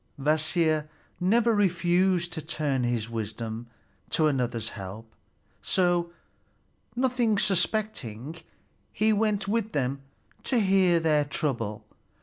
Kvasir never refused to turn his wisdom to another's help; so, nothing suspecting, he went with them to hear their trouble.